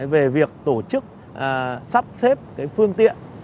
về việc tổ chức sắp xếp cái phương tiện